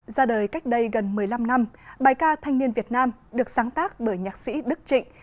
ra đời cách đây gần một mươi năm năm bài ca thanh niên việt nam được sáng tác bởi nhạc sĩ đức trịnh